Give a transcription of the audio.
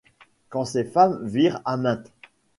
Quand ses femmes virent Aminte